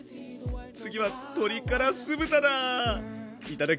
次は鶏から酢豚だ！